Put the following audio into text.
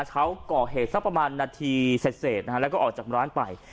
เขาก่อเหตุสักประมาณนาทีเสร็จนะฮะแล้วก็ออกจากร้านไป